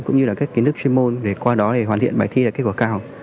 cũng như là các kiến thức chuyên môn để qua đó để hoàn thiện bài thi đạt kết quả cao